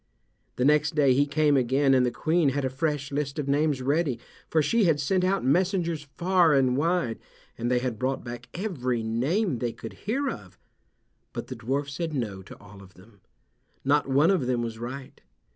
The next day he came again and the Queen had a fresh list of names ready, for she had sent out messengers far and wide, and they had brought back every name they could hear of. But the dwarf said no to all of them. Not one of them was right.